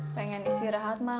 pengen istirahat mah